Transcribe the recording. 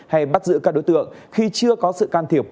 hay bắt giữ các đối tượng khi chưa có sự can thiệp